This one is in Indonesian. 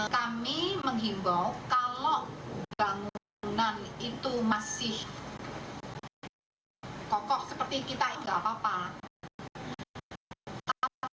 kami menghimbau kalau bangunan itu masih kokoh seperti kita nggak apa apa